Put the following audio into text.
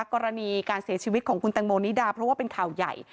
กรณีการเสียชีวิตของคุณแตงโมนิดาเพราะว่าเป็นข่าวใหญ่